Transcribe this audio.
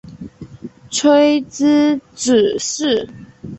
傕之子式。